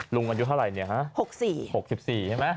หลวงอายุเท่าไรนี่ฮะ๖๔๖๔ใช่มั้ย